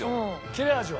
切れ味は？